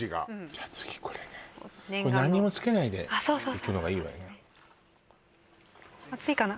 じゃあ次これねこれ何にも付けないであっそうそうそうですねいくのがいいわよね熱いかな？